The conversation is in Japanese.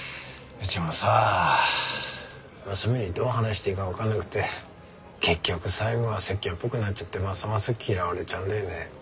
うちもさ娘にどう話していいかわかんなくて結局最後は説教っぽくなっちゃってますます嫌われちゃうんだよね。